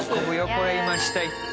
これ今下行って。